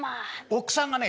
奥さんがね